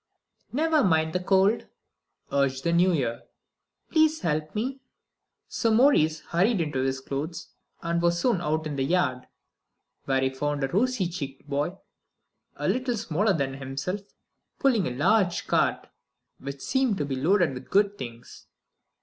"Never mind the cold," urged the New Year; "please help me." So Maurice hurried into his clothes, and was soon out in the yard. There he found a rosy cheeked boy a little smaller than himself, pulling a large cart which seemed to be loaded with good things.